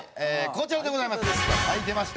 こちらでございます。